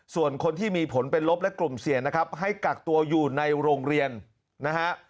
ส่วนคนที่มีผลเป็นลบและกลุ่มเสี่ยงนะครับให้กักตัวอยู่ในโรงเรียนนะฮะ